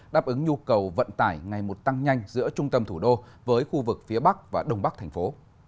đáp ứng nhu cầu vận tải ngày một tăng nhanh giữa trung tâm thủ đô với khu vực phía bắc và đông bắc thành phố